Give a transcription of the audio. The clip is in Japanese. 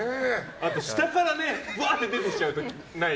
あと下から、ぶわーって出てきちゃう時ない？